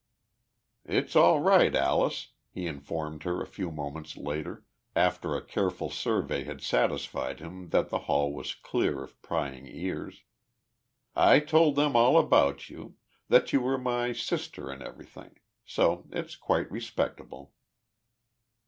"It's all right, Alice," he informed her a few moments later, after a careful survey had satisfied him that the hall was clear of prying ears. "I told them all about you that you were my sister 'n' everything. So it's quite respectable."